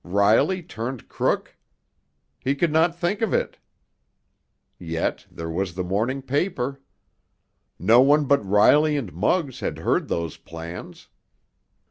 Riley turned crook? He could not think it! Yet there was the morning paper. No one but Riley and Muggs had heard those plans.